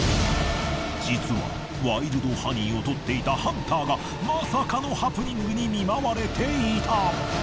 実はワイルドハニーを採っていたハンターがまさかのハプニングに見舞われていた。